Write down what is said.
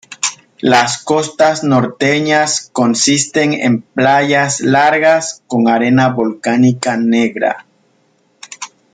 Las costas norteñas consisten en playas largas con arena volcánica negra.